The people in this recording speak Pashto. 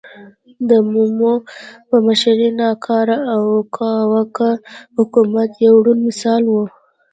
د مومو په مشرۍ ناکاره او کاواکه حکومت یو روڼ مثال و.